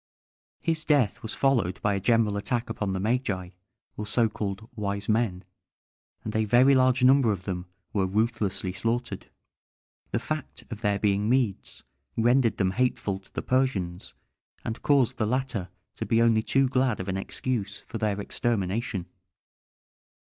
His death was followed by a general attack upon the Magi, or so called "wise men;" and a very large number of them were ruthlessly slaughtered. The fact of their being Medes rendered them hateful to the Persians, and caused the latter to be only too glad of an excuse for their extermination.